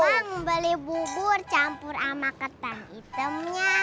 bang beli bubur campur sama ketang hitamnya